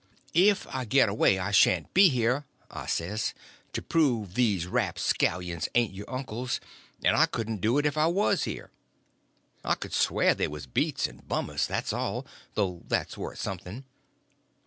"If I get away I sha'n't be here," I says, "to prove these rapscallions ain't your uncles, and I couldn't do it if I was here. I could swear they was beats and bummers, that's all, though that's worth something.